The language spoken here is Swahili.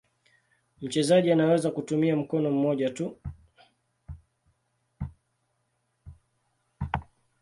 Mchezaji anaweza kutumia mkono mmoja tu.